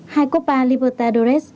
hai quốc bà libertadores